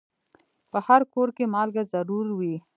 په هر کور کې مالګه ضرور وي.